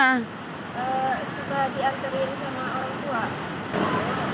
sudah diantarir sama orang tua